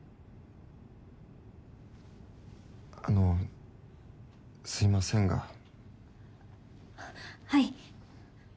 あのすみませんが。ははい。